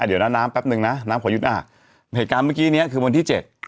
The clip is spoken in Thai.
เดี๋ยวนะน้ำแป๊บนึงนะน้ำขอยุดอ่ะเหตุการณ์เมื่อกี้เนี้ยคือวันที่เจ็ด